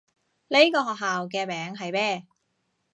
呢個學校嘅名係咩？